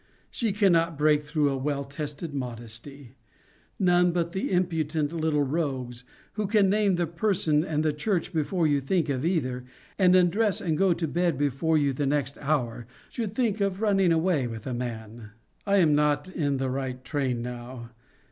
She cannot break through a well tested modesty. None but the impudent little rogues, who can name the parson and the church before you think of either, and undress and go to bed before you the next hour, should think of running away with a man. I am in the right train now.